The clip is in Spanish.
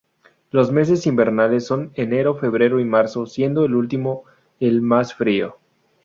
Los meses invernales son enero, febrero y marzo, siendo el último el más frío.